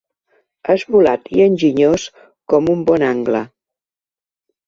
Esmolat i enginyós com un bon angle.